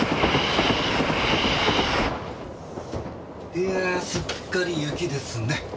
いやあすっかり雪ですね。